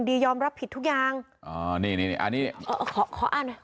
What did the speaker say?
ยอมรับผิดทุกอย่างอ๋อนี่นี่อันนี้ขอขออ่านหน่อย